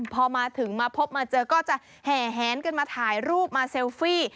พอมาถึงมาพบมาเจอก็จะแห่แหนกันมาถ่ายรูปมาเซลฟี่